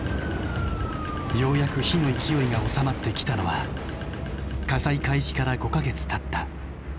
ようやく火の勢いが収まってきたのは火災開始から５か月たった